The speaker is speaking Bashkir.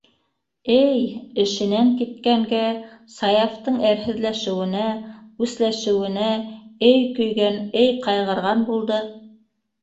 Эй-й, эшенән киткәнгә, Саяфтың әрһеҙләшеүенә, үсләшеүенә эй көйгән, эй ҡайғырған булды.